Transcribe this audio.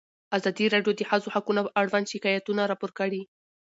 ازادي راډیو د د ښځو حقونه اړوند شکایتونه راپور کړي.